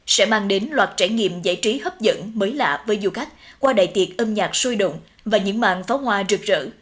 sẽ mang đến loạt trải nghiệm giải trí hấp dẫn mới lạ với du khách qua đại tiệc âm nhạc sôi động và những mạng pháo hoa rực rỡ